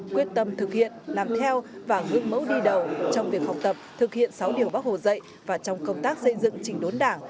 quyết tâm thực hiện làm theo và gương mẫu đi đầu trong việc học tập thực hiện sáu điều bác hồ dạy và trong công tác xây dựng trình đốn đảng